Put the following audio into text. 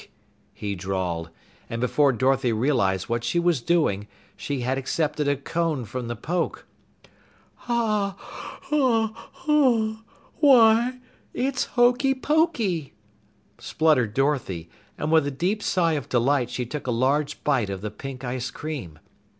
he drawled, and before Dorothy realized what she was doing, she had accepted a cone from the Poke. "Hah, hoh, hum! Why, it's hokey pokey!" spluttered Dorothy, and with a deep sigh of delight she took a large bite of the pink ice cream.